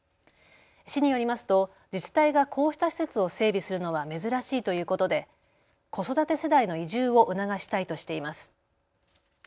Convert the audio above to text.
市によりますと自治体がこうした施設を整備するのは珍しいということで子育て世帯の移住を促したいとしています。